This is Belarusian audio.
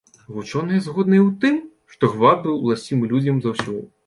Вучоныя згодныя ў тым, што гвалт быў уласцівы людзям заўсёды.